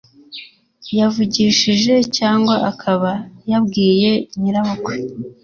yavugishije, cyangwa akaba yabwiye nyirabukwe